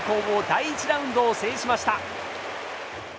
第１ラウンドを制しました。